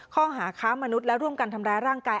ข้อหาค้ามนุษย์และร่วมกันทำร้ายร่างกาย